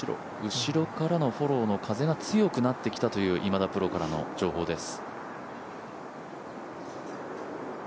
後ろからのフォローの風が強くなってきたという今田プロからの情報です。